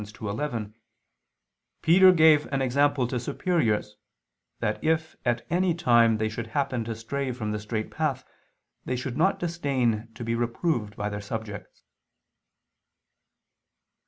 2:11, "Peter gave an example to superiors, that if at any time they should happen to stray from the straight path, they should not disdain to be reproved by their subjects."